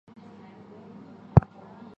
本市是肥后国府与肥后国分寺所在地。